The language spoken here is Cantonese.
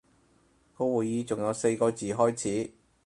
個會議仲有四個字開始